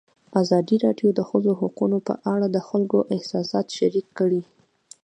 ازادي راډیو د د ښځو حقونه په اړه د خلکو احساسات شریک کړي.